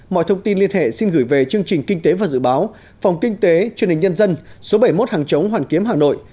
mọi thông tin liên hệ xin gửi về chương trình kinh tế và dự báo phòng kinh tế truyền hình nhân dân số bảy mươi một hàng chống hoàn kiếm hà nội